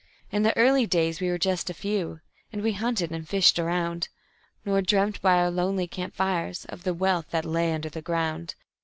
"In the early days we were just a few, and we hunted and fished around, Nor dreamt by our lonely camp fires of the wealth that lay under the ground.